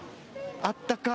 あったかい。